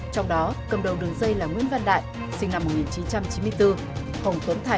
trong đó cầm đầu đường dây là nguyễn văn đại sinh năm một nghìn chín trăm chín mươi bốn